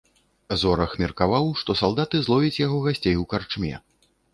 Зорах меркаваў, што салдаты зловяць яго гасцей у карчме.